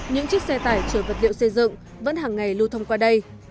những chiếc xe tải chở vật liệu xây dựng vẫn hàng ngày lưu thông qua đây